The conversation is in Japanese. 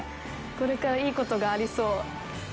これから、いいことがありそう。